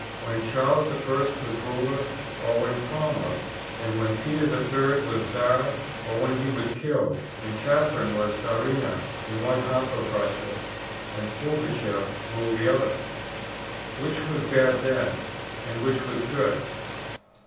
When Charles I. was ruler, or when Cromwell? And when Peter III. was Tzar, or when he was killed and Catherine was Tzaritsa in one half of Russia and Pougachef ruled the other? Which was bad then, and which was good?